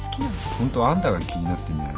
ホントはあんたが気になってんじゃないの？